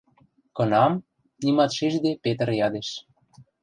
— Кынам? — нимат шижде, Петр ядеш.